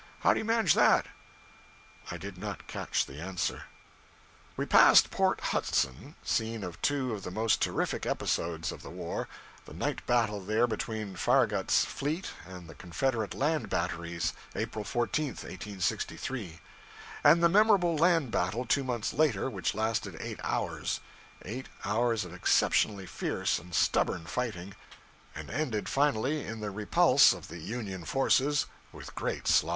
How do you manage that?' I did not catch the answer. We passed Port Hudson, scene of two of the most terrific episodes of the war the night battle there between Farragut's fleet and the Confederate land batteries, April 14th, 1863; and the memorable land battle, two months later, which lasted eight hours eight hours of exceptionally fierce and stubborn fighting and ended, finally, in the repulse of the Union forces with great slaughter.